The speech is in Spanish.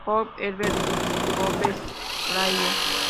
John Herbert Bowes-Lyon.